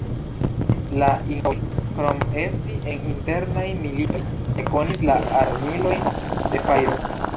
La Inkaoj, krom esti en internaj militoj ne konis la armilojn de fajro.